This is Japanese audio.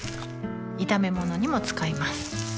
炒め物にも使います